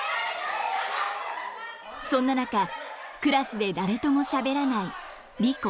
そんな中クラスで誰ともしゃべらないリコ。